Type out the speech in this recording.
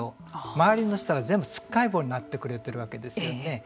周りの人が全部つっかえ棒になってくれているわけですよね。